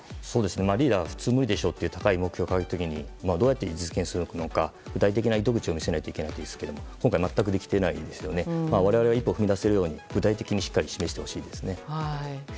リーダーはふつう無理でしょうという高い目標を掲げる時はどうやって実現するのか具体的な糸口を見つけないといけないんですが我々は一歩踏み出せるように具体的にしっかり示してほしいですね。